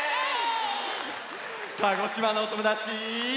鹿児島のおともだち。